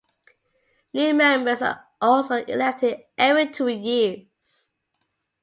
New members are also elected every two years.